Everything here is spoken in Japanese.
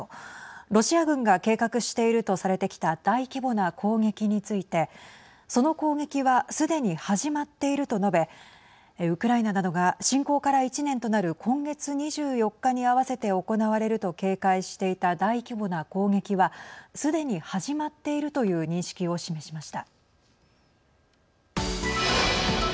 ロシア軍が計画しているとされてきた大規模な攻撃についてその攻撃はすでに始まっていると述べウクライナなどが侵攻から１年となる今月２４日に合わせて行われると警戒していた大規模な攻撃はすでに始まっているという認識を示しました。